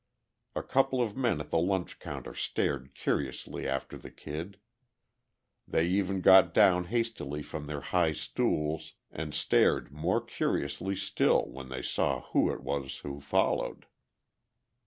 A couple of men at the lunch counter stared curiously after the Kid; they even got down hastily from their high stools and stared more curiously still when they saw who it was who followed.